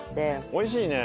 おいしいね。